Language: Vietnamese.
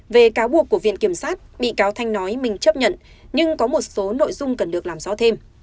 về cáo buộc của viện kiểm sát bị cáo thanh nói mình chấp nhận nhưng có một số nội dung cần được làm rõ thêm